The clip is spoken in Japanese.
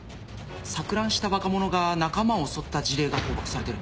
錯乱した若者が仲間を襲った事例が報告されてる。